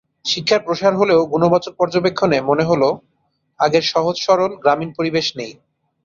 শিক্ষার প্রসার হলেও গুণবাচক পর্যবেক্ষণে মনে হলো আগের সহজ-সরল গ্রামীণ পরিবেশ নেই।